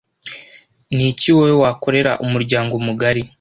Ni iki wowe wakorera umuryango mugari